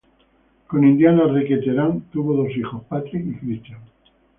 Con Indiana Reque Terán tuvo dos hijos: Patrick y Christian.